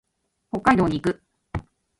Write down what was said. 北海道に行く。